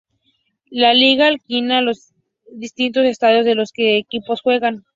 La liga alquila los distintos estadios en los que los equipos juegan.